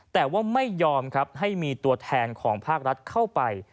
แต่ว่าไม่ยอมครับให้มีตัวแทนของภาครัฐเข้าไป